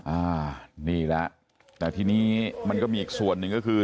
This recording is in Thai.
อ่านี่แหละแต่ทีนี้มันก็มีอีกส่วนหนึ่งก็คือ